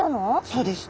そうです。